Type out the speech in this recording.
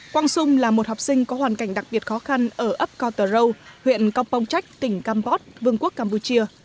quang sung là một học sinh có hoàn cảnh đặc biệt khó khăn ở ấp cô tờ râu huyện công pông trách tỉnh campot vương quốc campuchia